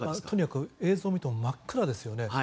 とにかく映像を見ても真っ暗ですよね。